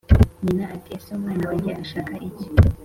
Nyina, ati: "Ese mwana wanjye urashaka iki?